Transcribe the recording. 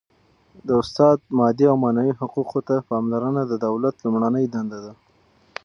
د استاد مادي او معنوي حقوقو ته پاملرنه د دولت لومړنۍ دنده ده.